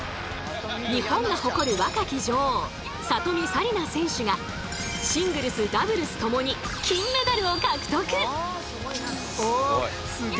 日本が誇る若き女王里見紗季奈選手がシングルスダブルスともに金メダルを獲得！